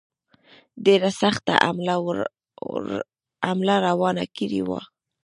ډېره سخته حمله روانه کړې وه.